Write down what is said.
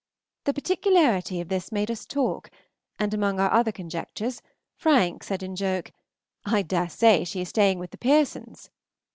The particularity of this made us talk, and, among other conjectures, Frank said in joke, "I dare say she is staying with the Pearsons."